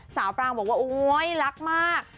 ปรางบอกว่าโอ๊ยรักมาก